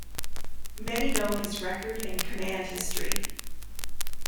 Many know his record and command history.